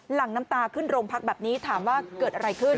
หลังน้ำตาขึ้นโรงพักแบบนี้ถามว่าเกิดอะไรขึ้น